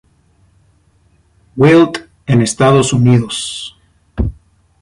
Wilt" en Estados Unidos.